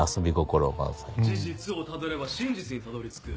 事実をたどれば真実にたどりつく。